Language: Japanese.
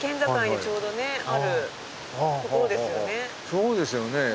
そうですよね。